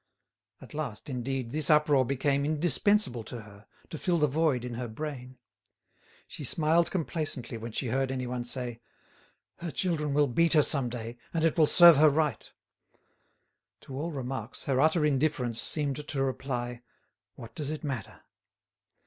At last, indeed, this uproar became indispensable to her, to fill the void in her brain. She smiled complacently when she heard anyone say, "Her children will beat her some day, and it will serve her right." To all remarks, her utter indifference seemed to reply, "What does it matter?"